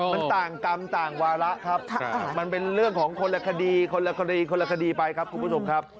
มันต่างกรรมต่างวาระครับมันเป็นเรื่องของคนละคดีคนละคดีคนละคดีไปครับคุณผู้ชมครับ